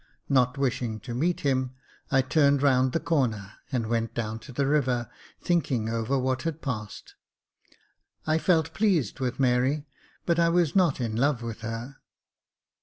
Not wishing to meet him, I turned round the corner, and went down to the river, thinking over what had passed. I felt pleased with Mary, but I was not in love with her.